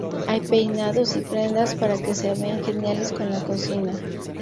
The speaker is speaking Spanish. Hay peinados y prendas para que se vean geniales con la cocina.